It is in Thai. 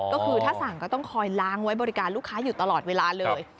ก็คือถ้าสั่งก็ต้องคอยล้างไว้บริการลูกค้าอยู่ตลอดเวลาเลย